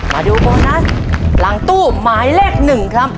มาดูโบนัสหลังตู้หมายเลข๑ครับ